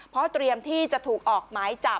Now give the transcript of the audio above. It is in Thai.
เพราะเตรียมที่จะถูกออกหมายจับ